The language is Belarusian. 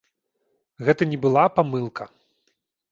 Гэта не была памылка.